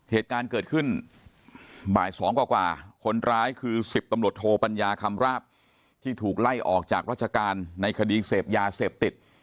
เหตุการณ์เกิดขึ้นบ่าย๒กว่าคนร้ายคือ๑๐ตำรวจโทปัญญาคำราบที่ถูกไล่ออกจากราชการในคดีเสพยาเสพติด